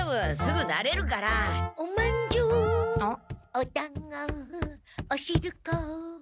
おだんごおしるこ。